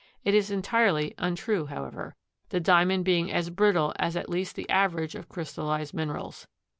It is entirely untrue, however, the Diamond being as brittle as at least the average of crystallized minerals.